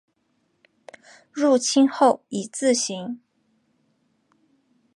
入清后以字行。